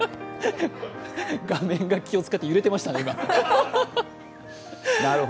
画面が気を遣って揺れてましたね。